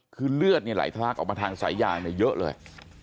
คือเลือดนี่ไหลท้าออกมาทางใส้ย่างเนี่ยเยอะเลย